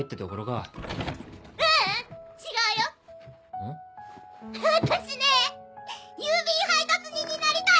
あたしね郵便配達人になりたい！